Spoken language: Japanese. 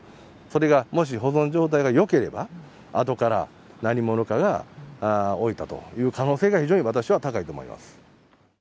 それがもし保存状態がよければ、あとから何者かが置いたという可能性が、非常に私は高いと思いま